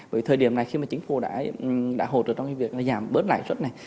bởi thời điểm này khi mà chính phủ đã hỗ trợ trong cái việc giảm bớt lại suất này